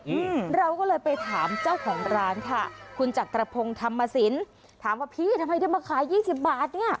อืมเราก็เลยไปถามเจ้าของร้านค่ะคุณจักรพงศ์ธรรมสินถามว่าพี่ทำไมได้มาขายยี่สิบบาทเนี้ย